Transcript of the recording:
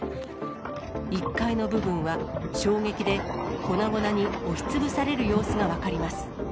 １階の部分は衝撃で粉々に押しつぶされる様子が分かります。